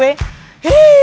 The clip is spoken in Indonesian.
namanya cinta itu ee